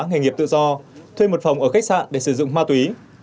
nghề nghiệp tự do thuê một phòng ở khách sạn để sử dụng ma túy